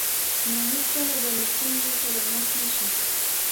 نو هېڅکله به له ستونزو سره مخ نه شئ.